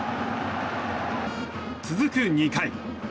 続く２回。